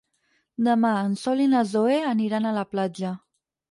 Demà en Sol i na Zoè aniran a la platja.